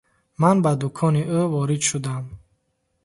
Ман ба дукони ӯ ворид шудам.